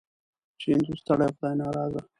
چې هندو ستړی او خدای ناراضه.